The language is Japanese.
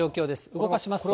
動かしますと。